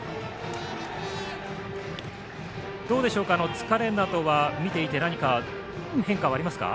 疲れなどは見ていて何か変化はありますか。